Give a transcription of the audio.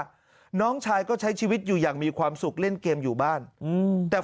น้องชายก็ใช้ชีวิตอยู่อย่างมีความสุขเล่นเกมอยู่บ้านอืมแต่